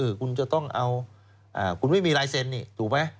คุณจะต้องเอาคุณไม่มีลายเซ็นนี่ถูกไหม